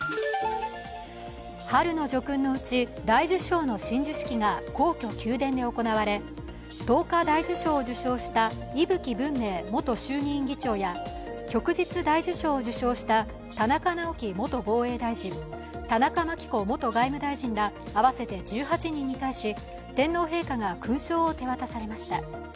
春の叙勲のうち大綬章の親授式が皇居・宮殿で行われ、桐花大綬章を授賞した伊吹文明元衆議院議長や旭日大綬章を受章した田中直紀元防衛大臣、田中真紀子元外務大臣ら合わせて１８人に対し、天皇陛下が勲章を手渡されました。